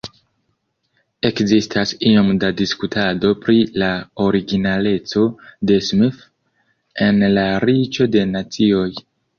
Ekzistas iom da diskutado pri la originaleco de Smith en "La Riĉo de Nacioj".